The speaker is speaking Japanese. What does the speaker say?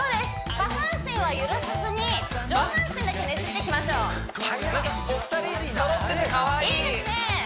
下半身は揺らさずに上半身だけねじっていきましょうお二人揃っててかわいいいいですね